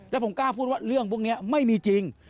แล้วผมกล้าพูดว่าเรื่องพวกนี้ไม่มีจริง